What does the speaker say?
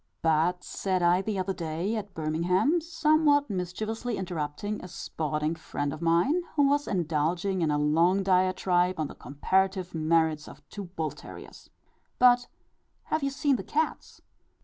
"But," said I, the other day at Birmingham, somewhat mischievously interrupting a sporting friend of mine, who was indulging in a long diatribe on the comparative merits of two bull terriers, "But, have you seen the cats?"